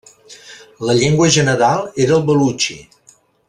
La llengua general era el balutxi.